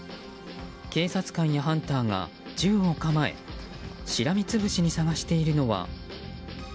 警察官やハンターが銃を構えしらみつぶしに探しているのは。